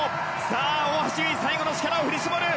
さあ、大橋悠依最後の力を振り絞る。